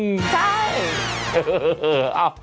ใช่